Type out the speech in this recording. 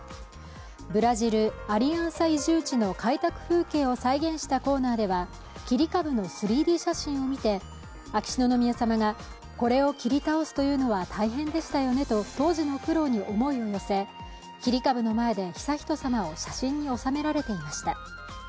ブラジル・アリアンサ移住地の開拓風景を再現したコーナーでは、切り株の３Ｄ写真を見て、秋篠宮さまがこれを切り倒すというのは大変でしたよねと当時の苦労に思いを寄せ切り株の前で悠仁さまを写真に収められていました。